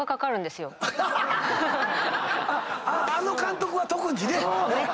あの監督は特にね。